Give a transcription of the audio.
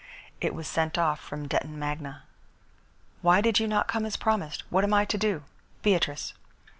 It was sent off from Detton Magna, "Why did you not come as promised? What am I to do? BEATRICE."